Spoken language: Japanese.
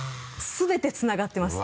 全てつながってます。